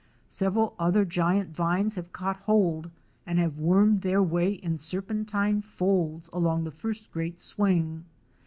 Several other giant vines have caught hold and have wormed their way in serpentine folds along the first great swing.